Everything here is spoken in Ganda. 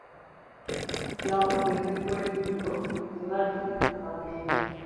Jjangu tugende tukole dduyiro ne bali abagenda.